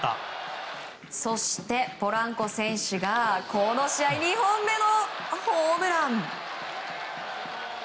そして、ポランコ選手がこの試合２本目のホームラン。